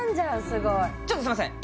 すごいちょっとすいません